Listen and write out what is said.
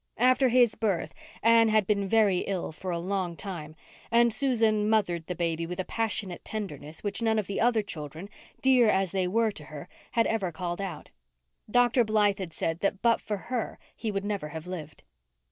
After his birth Anne had been very ill for a long time, and Susan "mothered" the baby with a passionate tenderness which none of the other children, dear as they were to her, had ever called out. Dr. Blythe had said that but for her he would never have lived.